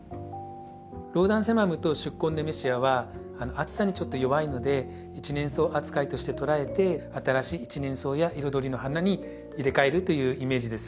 ローダンセマムと宿根ネメシアは暑さにちょっと弱いので一年草扱いとして捉えて新しい一年草や彩りの花に入れ替えるというイメージです。